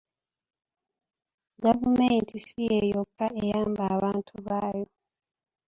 Gavumenti si ye yokka eyamba abantu baayo.